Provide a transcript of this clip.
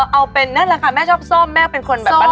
เอาเป็นนั่นแหละค่ะแม่ชอบซ่อมแม่เป็นคนแบบว่า